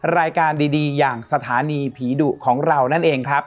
รายการดีอย่างสถานีผีดุของเรานั่นเองครับ